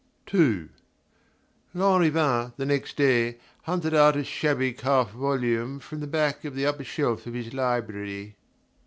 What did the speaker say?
II Lanrivain, the next day, hunted out a shabby calf volume from the back of an upper shelf of his library.